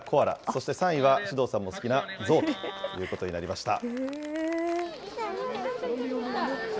そして３位は首藤さんも好きなゾウということになりました。